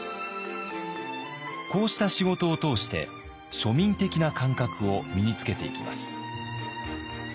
こうした仕事を通して庶民的な感覚を身につけていきます。